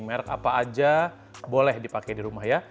merek apa aja boleh dipakai di rumah ya